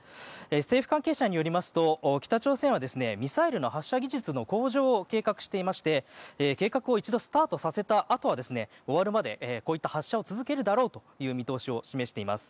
政府関係者によりますと北朝鮮はミサイルの発射技術の向上を計画していまして計画を一度スタートさせたあとは終わるまでこういった発射を続けるだろうという見通しを示しています。